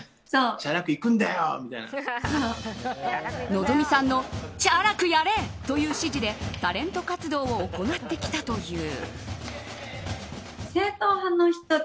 希さんのチャラくやれという指示でタレント活動を行ってきたという。